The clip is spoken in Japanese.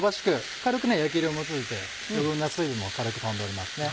軽く焼き色もついて余分な水分も軽く飛んでおりますね。